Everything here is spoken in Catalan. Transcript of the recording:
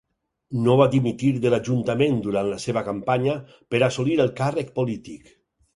No va dimitir de l"ajuntament durant la seva campanya per assolir el càrrec polític.